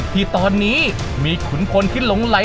ที่ตอนนี้มีขุนพลที่หลงไหล